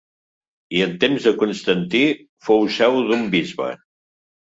I en temps de Constantí fou seu d'un bisbe.